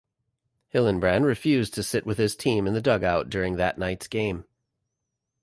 Hillenbrand refused to sit with his team in the dugout during that night's game.